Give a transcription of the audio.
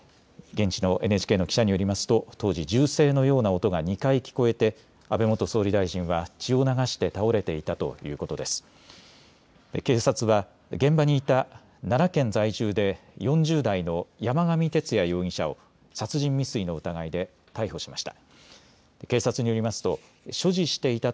現地のＮＨＫの記者によりますと当時、銃声のような音が２回聞こえて安倍元総理大臣は、血を流して倒れていたということで警察は、現場にいた奈良県在住で４０代の山上徹也容疑者を殺人未遂の疑いで逮捕しました。